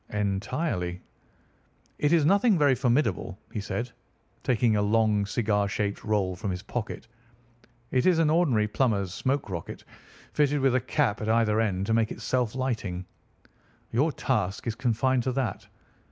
"Entirely." "It is nothing very formidable," he said, taking a long cigar shaped roll from his pocket. "It is an ordinary plumber's smoke rocket, fitted with a cap at either end to make it self lighting. Your task is confined to that.